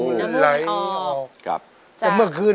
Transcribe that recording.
น้ำมูกไหลออกน้ำมูกออกครับ